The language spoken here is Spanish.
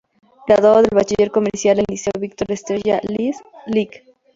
Graduado de Bachiller Comercial en el Liceo Victor Estrella Liz, Lic.